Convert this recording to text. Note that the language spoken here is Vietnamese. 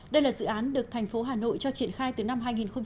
đây là dự án được thành phố hà nội cho triển khai từ năm hai nghìn một mươi